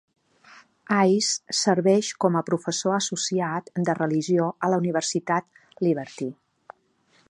Ice serveix com a professor associat de religió a la Universitat Liberty.